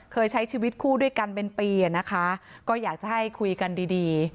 ใช้ชีวิตคู่ด้วยกันเป็นปีอ่ะนะคะก็อยากจะให้คุยกันดีดี